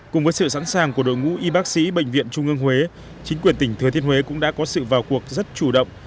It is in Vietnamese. cùng với sự sẵn sàng của đội ngũ y bác sĩ bệnh viện trung ương huế chính quyền tỉnh thừa thiên huế cũng đã có sự vào cuộc rất chủ động